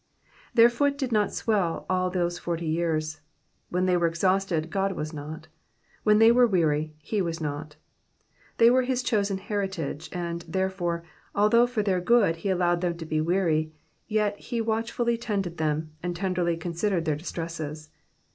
Their foot did not swell all those forty years. When they were exhausted, God was not. When they were weary. He was not. They were his chosen heritage, and, therefore. Digitized by VjOOQIC 218 EXPOSITIONS OF THB PSALHS. although for their good he allowed them to be weary, yet he watchfully tended them and tenderly considered their distresses.